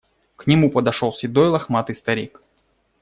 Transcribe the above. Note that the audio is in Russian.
К нему подошел седой лохматый старик.